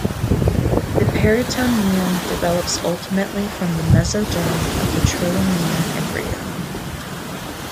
The peritoneum develops ultimately from the mesoderm of the trilaminar embryo.